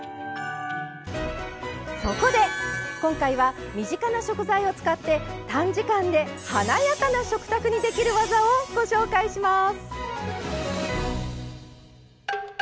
そこで今回は、身近な食材を使って短時間で華やかな食卓にできる技をご紹介します。